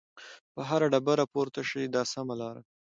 په هره ډبره پورته شئ دا سمه لار ده.